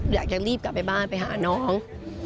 อยากจะรีบกลับไปบ้านไปหาน้อง